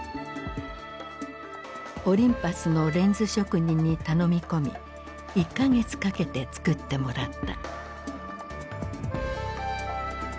オリンパスのレンズ職人に頼み込み１か月かけてつくってもらった。